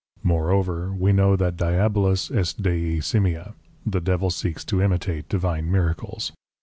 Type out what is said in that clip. Moreover, we know that Diabolus est Dei Simia, the Devil seeks to imitate Divine Miracles.